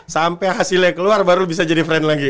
sampai hasilnya keluar baru bisa jadi friend lagi